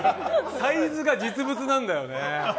サイズが実物なんだよね。